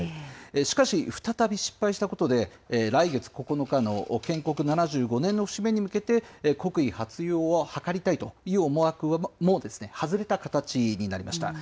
しかし、再び失敗したことで、来月９日の建国７５年の節目に向けて、国威発揚を図りたいという思惑も外れた形になりました。